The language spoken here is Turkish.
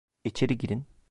İçeri girin.